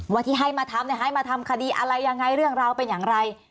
ว่าที่ให้มาทำให้มาทำคดีอะไรยังไงเรื่องราวเป็นอย่างไร